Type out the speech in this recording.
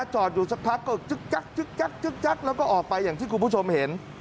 จอดอยู่สักพักก็จึ๊กแล้วก็ออกไปอย่างที่คุณผู้ชมเห็น